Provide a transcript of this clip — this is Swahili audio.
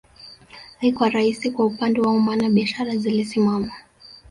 Haikuwa rahisi kwa upande wao maana biashara zilisimama